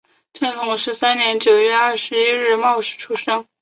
正统十三年九月二十一日戌时出生。